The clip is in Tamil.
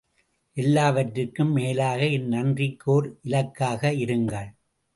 எல்லாவற்றிற்கும் மேலாக, என் நன்றிக்கு ஓர் இலக்காக இருங்கள்!